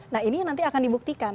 nah ini nanti akan dibuktikan